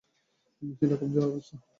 মেশিনটা খুব জবরদস্ত, স্যার।